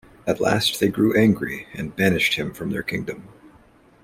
At last they grew angry and banished him from their kingdom.